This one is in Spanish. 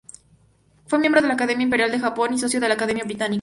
Fue miembro de la Academia Imperial de Japón y socio de la Academia Británica.